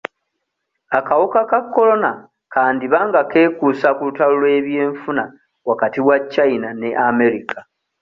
Akawuka ka Corona kandiba nga keekuusa ku lutalo lw'ebyenfuna wakati wa China ne America.